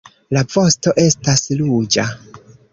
La vosto estas ruĝa.